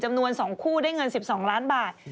จำนวน๒คู่ได้เงิน๑๒ล้านบาท